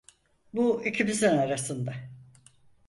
Bu ikimizin arasında.